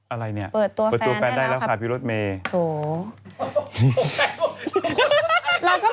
อะไรเนี่ยเปิดตัวแฟนได้แล้วค่ะพิโรธเมย์โถ่เปิดตัวแฟนได้แล้วค่ะพิโรธเมย์